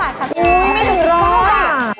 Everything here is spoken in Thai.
ไม่เห็นรอ